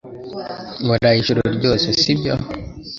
Waraye ijoro ryose si byo